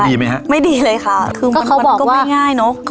ก็ดีไหมฮะไม่ดีเลยค่ะคือมันมันก็ไม่ง่ายเนอะก็เขาบอกว่า